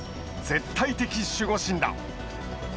絶対的守護神だ。